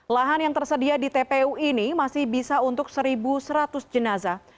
lahan yang tersedia di tpu ini masih bisa untuk satu seratus jenazah